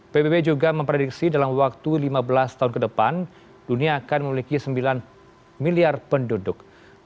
pbb juga memprediksi dalam waktu lima belas tahun ke depan dunia akan memiliki sembilan miliar penduduk